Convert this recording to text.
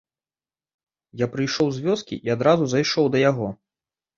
Я прыйшоў з вёскі і адразу зайшоў да яго.